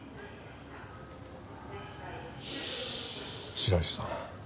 白石さん。